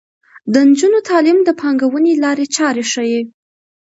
د نجونو تعلیم د پانګونې لارې چارې ښيي.